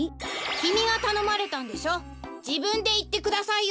きみがたのまれたんでしょじぶんでいってくださいよ！